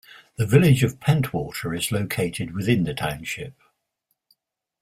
The Village of Pentwater is located within the township.